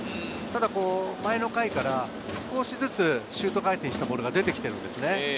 ただ前の回から少しずつシュート回転したボールが出て来ているんですよね。